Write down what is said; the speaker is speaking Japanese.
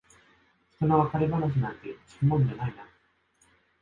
ひとの別れ話なんて聞くもんじゃないな。